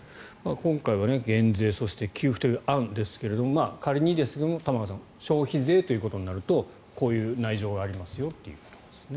今回は減税そして給付という案ですが仮に、玉川さん消費税ということになるとこういう内情がありますよということですね。